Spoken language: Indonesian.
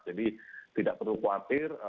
jadi tidak perlu khawatir